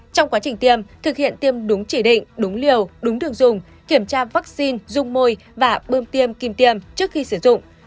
trong quá trình tiêm thực hiện tiêm đúng chỉ định đúng liều đúng đường dùng kiểm tra vaccine dung môi và bơm tiêm kim tiêm trước khi sử dụng